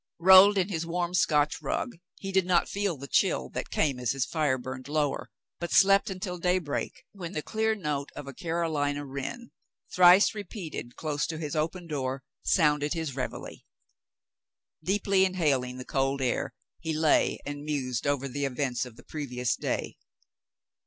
Rolled in his warm Scotch rug, he did not feel the chill that came as his fire burned lower, but slept until daybreak, when the clear note of a Carolina wren, thrice repeated close to his open door, sounded his reveille. David aids Frale to Escape 65 Deeply inhaling the cold air, he lay and mused over the events of the previous day.